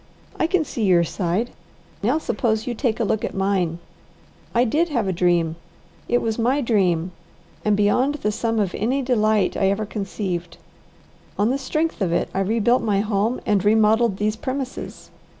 I can see your side; now suppose you take a look at mine. I did have a dream, it was my dream, and beyond the sum of any delight I ever conceived. On the strength of it I rebuilt my home and remodelled these premises.